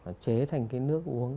và chế thành cái nước uống